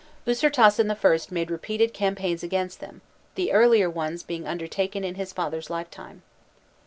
Ûsirtasen I. made repeated campaigns against them, the earlier ones being undertaken in his father's lifetime.